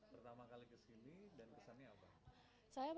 pertama kali kesini dan kesannya apa